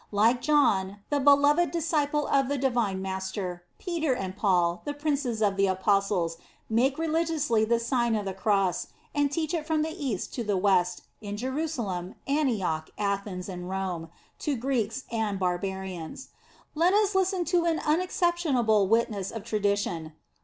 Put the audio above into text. Like John, the beloved disciple of the divine Master, Peter and Paul, the princes of the apostles, make religiously the Sign of the Cross, and teach it from the East to the West, in Jerusalem, Antioch, Athens, and Rome, to Greeks and barbarians. Let us listen to an unexceptionable witness of tradi tion.